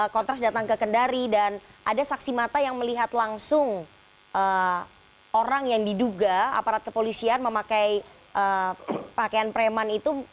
kontras datang ke kendari dan ada saksi mata yang melihat langsung orang yang diduga aparat kepolisian memakai pakaian preman itu